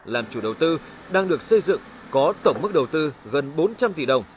làm chủ đầu tư đang được xây dựng có tổng mức đầu tư gần bốn trăm linh tỷ đồng